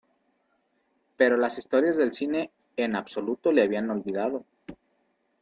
Pero las historias del cine en absoluto le habían olvidado.